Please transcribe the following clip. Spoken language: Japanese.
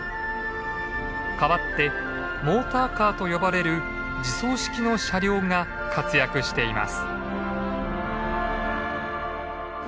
代わってモーターカーと呼ばれる自走式の車両が活躍しています。